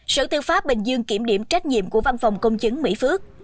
sở tư pháp bình dương kiểm điểm trách nhiệm của văn phòng công chứng mỹ phước